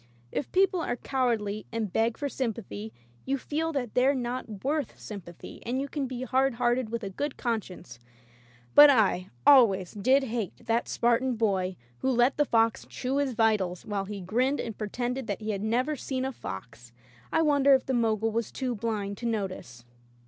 If people are cowardly and beg for sympathy, you feel that they're not worth sympathy, and you can be hard hearted with a good conscience, but I always did hate that Spartan boy who let the fox chew his vitals while he grinned and pre tended that he had never seen a fox. I won dered if the Mogul was too blind to notice.